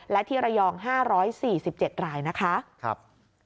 และที่ระยองห้าร้อยสี่สิบเจ็ดรายนะคะครับ